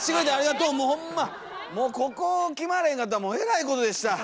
もうここ決まれへんかったらもうえらいことでした。